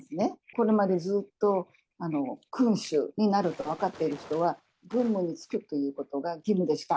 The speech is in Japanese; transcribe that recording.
これまでずっと君主になると分かっている人は、軍務に就くっていうことが義務でした。